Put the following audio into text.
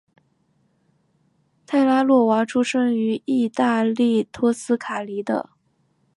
泰拉诺娃出生于义大利托斯卡尼的。